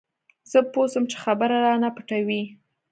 زه پوه سوم چې خبره رانه پټوي.